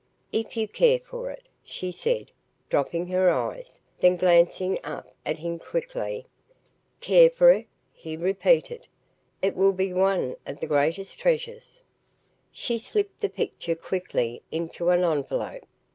"If you care for it," she said, dropping her eyes, then glancing up at him quickly. "Care for it?" he repeated. "It will be one of the greatest treasures." She slipped the picture quickly into an envelope.